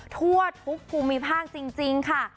ทวดคุกคุมมีภาคจริงค่ะ